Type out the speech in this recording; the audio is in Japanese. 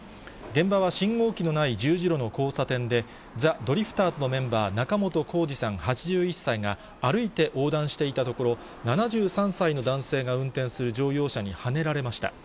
現場は信号機のない十字路の交差点で、ザ・ドリフターズのメンバー、仲本工事さん８１歳が歩いて横断していたところ、７３歳の男性が運転する乗用車にはねられました。